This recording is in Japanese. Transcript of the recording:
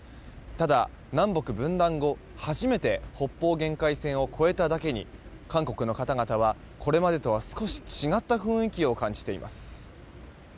ただ、南北分断後初めて北方限界線を越えただけに韓国の方々は、これまでとは少し違った雰囲気を感じています。